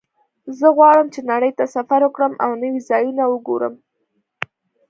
زه غواړم چې نړۍ ته سفر وکړم او نوي ځایونه وګورم